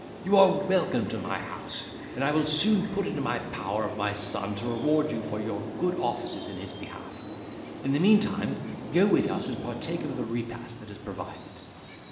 You are welcome to my house, and I will soon put it in the power of my son to reward you for your good offices in his behalf; in the meantime go with us and partake of the repast that is provided."